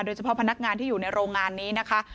โดยเฉพาะพนักงานที่อยู่ในโรงงานนี้นะคะ